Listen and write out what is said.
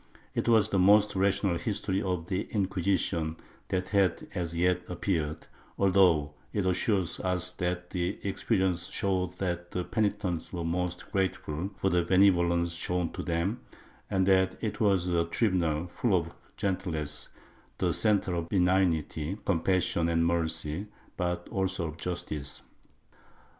It was the most rational history of the Inquisition that had as yet appeared, although it assures us that experience showed that penitents were most grateful for the benevolence shown to them, and that it was a tribunal full of gentleness, the centre of benignity, compassion and mercy, but also of justice.